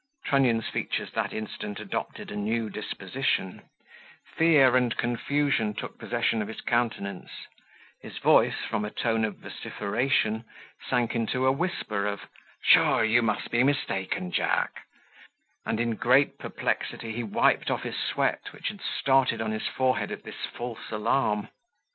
Trunnion's features that instant adopted a new disposition; fear and confusion took possession of his countenance; his voice, from a tone of vociferation, sank into a whisper of, "Sure, you must be mistaken, Jack;" and, in great perplexity, he wiped off his sweat which had started on his forehead at this false alarm.